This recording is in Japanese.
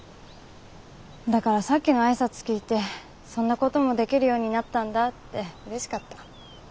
だからさっきの挨拶聞いてそんなこともできるようになったんだってうれしかった。